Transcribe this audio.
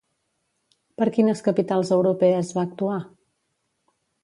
Per quines capitals europees va actuar?